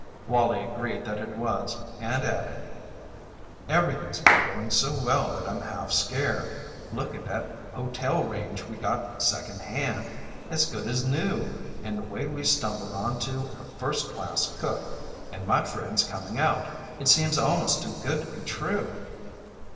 Wallie agreed that it was, and added: "Everything's been going so well that I'm half scared. Look at that hotel range we got second hand as good as new; and the way we stumbled on to a first class cook; and my friends coming out it seems almost too good to be true."